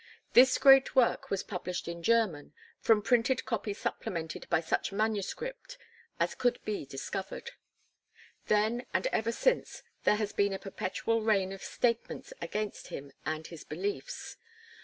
This great work was published in German, from printed copy supplemented by such manuscript as could be discovered. Then and ever since there has been a perpetual rain of statements against him and his beliefs.